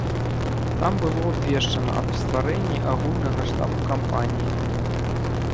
Там было абвешчана аб стварэнні агульнага штабу кампаніі.